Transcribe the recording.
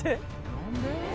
何で？